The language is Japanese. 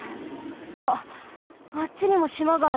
あっあっちにもしまがある。